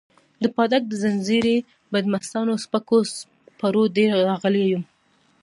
د پاټک د ځنځیري بدمستانو سپکو سپورو ډېر داغلی یم.